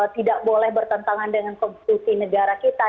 tidak boleh bertentangan dengan konstitusi negara kita